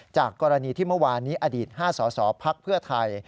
จากกรณีที่เมื่อวานนี้อดีต๕สสพักเพื่อไทย